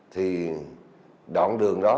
thì đoạn đường đó